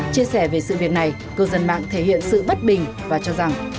chia sẻ về sự việc này cư dân mạng thể hiện sự bất bình và cho rằng